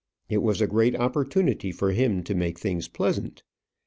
It was a great opportunity for him to make things pleasant.